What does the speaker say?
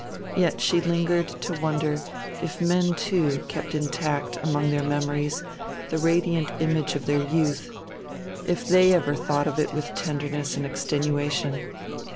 Yet she still lingered to wonder if men too kept intact among their memories the radiant image of their youth, if they ever thought of it with tenderness and extenuation.